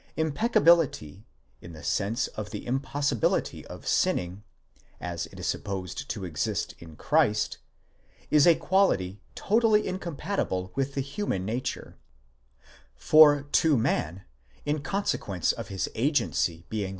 Impeccability, in the sense of the impossibility of sinning, as it is supposed to exist in Christ, is a quality totally incompatible | with the human nature; for to man, in consequence of his agency being.